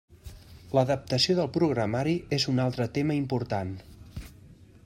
L'adaptació del programari és un altre tema important.